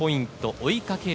追いかける